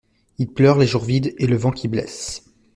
Il pleure les jours vides et le vent qui blesse.